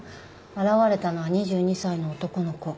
現れたのは２２歳の男の子。